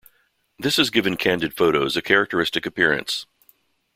This has given candid photos a characteristic appearance.